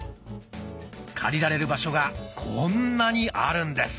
借りられる場所がこんなにあるんです。